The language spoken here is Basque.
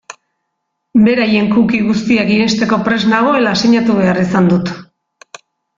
Beraien cookie guztiak irensteko prest nagoela sinatu behar izan dut.